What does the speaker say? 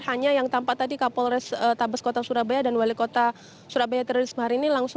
hanya yang tampak tadi kapolri stabes kota surabaya dan wali kota surabaya teroris mahari ini